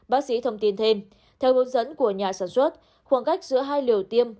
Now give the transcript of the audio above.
bác sĩ thông tin thêm theo hướng dẫn của nhà sản xuất khoảng cách giữa hai liều tiêm